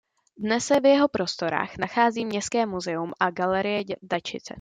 Dnes se v jeho prostorách nachází Městské muzeum a galerie Dačice.